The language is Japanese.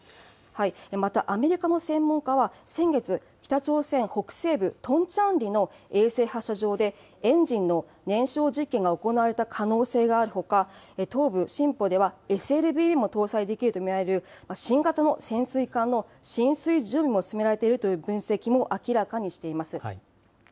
また、アメリカの専門家は先月、北朝鮮北西部トンチャンリの衛星発射場で、エンジンの燃焼実験が行われた可能性があるほか、東部シンポでは、ＳＬＢＭを搭載できると見られる、新型の潜水艦の進水準備も進められているという分析も明らかにしています。